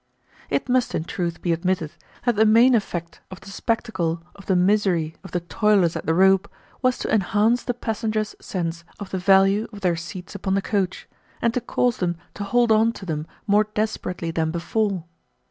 It must in truth be admitted that the main effect of the spectacle of the misery of the toilers at the rope was to enhance the passengers' sense of the value of their seats upon the coach, and to cause them to hold on to them more desperately than before.